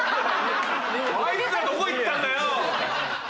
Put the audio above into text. あいつらどこ行ったんだよ！